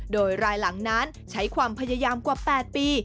โดยรายหลังนั้นใช้ความพยายามกว่า๘ปี